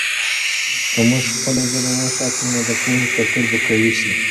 که موږ خپله ژبه وساتو، نو د پوهې کلتور به قوي سي.